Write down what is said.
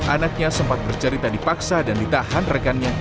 anaknya sempat bercerita dipaksa dan ditahan rekannya